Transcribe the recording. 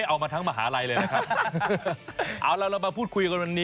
เอาละมาพูดคุยกันก่อน